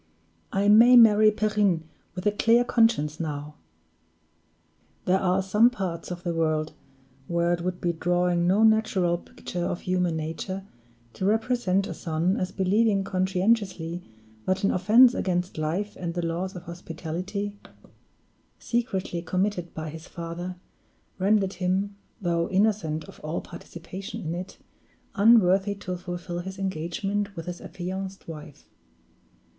"I may marry Perrine with a clear conscience now!" There are some parts of the world where it would be drawing no natural picture of human nature to represent a son as believing conscientiously that an offense against life and the laws of hospitality, secretly committed by his father, rendered him, though innocent of all participation in it, unworthy to fulfill his engagement with his affianced wife.